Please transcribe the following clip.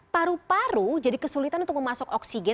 paru paru jadi kesulitan untuk memasuk oksigen atau oksigen